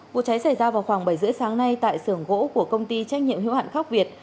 vụ cháy xảy ra vào khoảng bảy h ba mươi sáng nay tại sưởng gỗ của công ty trách nhiệm hiệu hạn khắc việt